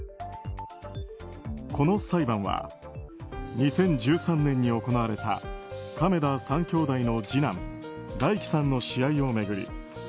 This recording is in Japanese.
この裁判は２０１３年に行われた亀田３兄弟の次男・大毅さんの試合を巡り